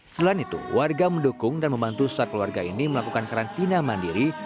selain itu warga mendukung dan membantu saat keluarga ini melakukan karantina mandiri